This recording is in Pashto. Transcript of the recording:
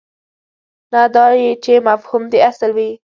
نه دا چې مفهوم دې اصل وي.